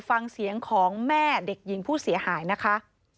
ฟังเสียงของแม่เด็กหญิงผู้เสียหายนะคะ